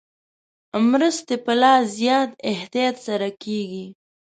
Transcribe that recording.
مرستې په لا زیات احتیاط سره کېږي.